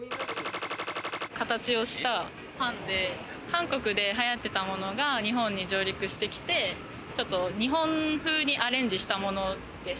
形をしたパンで韓国で流行ってたものが日本に上陸してきて、ちょっと日本風にアレンジしたものです。